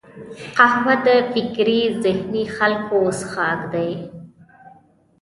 قهوه د فکري ذهیني خلکو څښاک دی